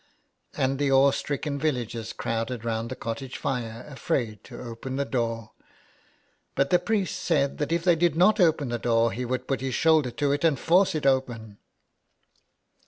And the awe stricken villagers crowded round the cottage fire, afraid to open the door. But the priest said that if they did not open the door he would put his shoulder to it and force it open.